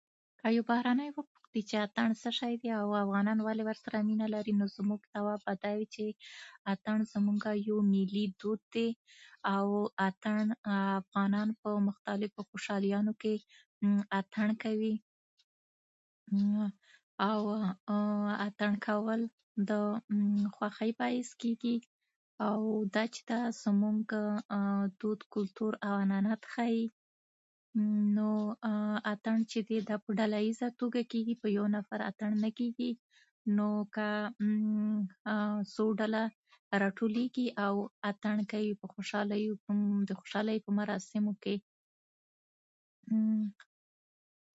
که یو بهرنی وپوښتي چې اتڼ څه شی دی او افغانان ولې ورسره مینه لري، نو زموږ ځواب به دا وي چې اتڼ زموږ یو ملي دود دی، او اتڼ افغانان په مختلفو خوشالیو کې کوي. او اتڼ کول د خوښۍ باعث کېږي، او دا چې ده، زموږ دود، کلتور او عنعنات ښيي. نو اتڼ چې دی، دا په ډېره ډله‌ییزه توګه کېږي، په یو نفر اتڼ نه کېږي. نو که څو ډلې راټولېږي او اتڼ کوي، په خوشالیو او د خوشالیو په مراسمو کې